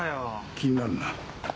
気になるな。